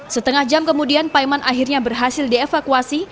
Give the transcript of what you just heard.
setengah jam kemudian paiman akhirnya berhasil dievakuasi